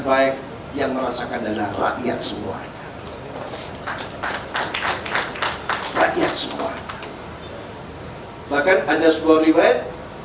baik yang merasakan adalah rakyat semuanya rakyat semua bahkan ada sebuah rewet